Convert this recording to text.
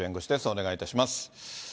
お願いいたします。